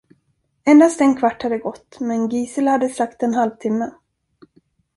Endast en kvart hade gått, men Gisela hade sagt en halvtimme.